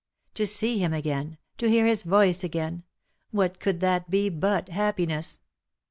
To see him again, to hear his voice again — what could that be but happiness